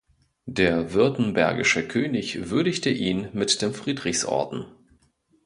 Der württembergische König würdigte ihn mit dem Friedrichs-Orden.